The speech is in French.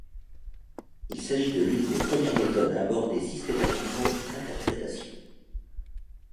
Il s'agit de l'une des premières méthodes à aborder systématiquement l'interprétation.